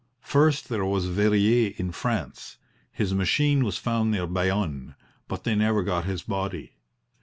First, there was Verrier in France; his machine was found near Bayonne, but they never got his body.